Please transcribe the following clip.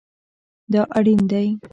دا اړین دی